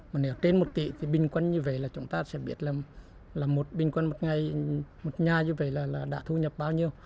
mà nếu trên một tỷ thì bình quân như vậy là chúng ta sẽ biết là một bình quân một ngày một nhà như vậy là đã thu nhập bao nhiêu